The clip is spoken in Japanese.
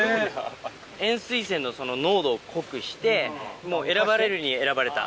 塩水選のその濃度を濃くして、もう、選ばれるに選ばれた。